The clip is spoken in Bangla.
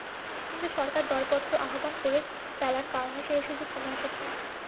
কিন্তু সরকার দরপত্র আহ্বান করে ফেলার কারণে সেই সুযোগ কমে এসেছে।